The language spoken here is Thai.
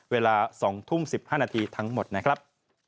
เวลา๒ทุ่ม๑๕นาทีทั้งหมดนะครับ